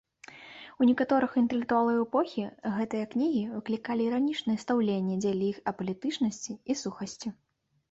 У некаторых інтэлектуалаў эпохі гэтыя кнігі выклікалі іранічнае стаўленне дзеля іх апалітычнасці і сухасці.